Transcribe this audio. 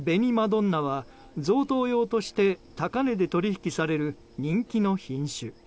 どんなは、贈答用として高値で取引される人気の品種。